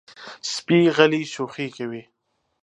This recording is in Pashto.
سپي غلی شوخي کوي.